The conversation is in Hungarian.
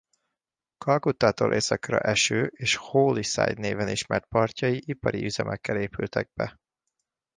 Kalkuttától északra eső és Hooghly-side néven ismert partjai ipari üzemekkel épültek be.